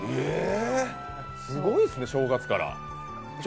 すごいですね、正月から。